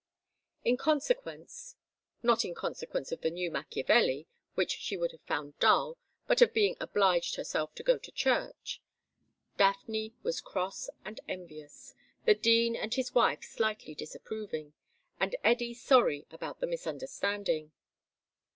In consequence (not in consequence of The New Machiavelli, which she would have found dull, but of being obliged herself to go to church), Daphne was cross and envious, the Dean and his wife slightly disapproving, and Eddy sorry about the misunderstanding.